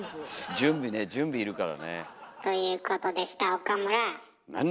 準備ね準備要るからね。ということでした岡村。